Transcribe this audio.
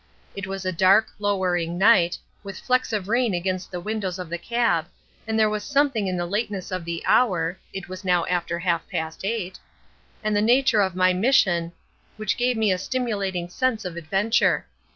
It was a dark, lowering night, with flecks of rain against the windows of the cab, and there was something in the lateness of the hour (it was now after half past eight) and the nature of my mission which gave me a stimulating sense of adventure.